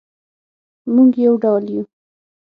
مونږ یو ډول یو